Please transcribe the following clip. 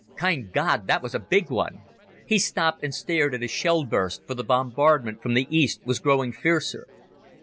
"Kind God, that was a big one!" He stopped and stared at a shell burst, for the bombardment from the east was growing fiercer.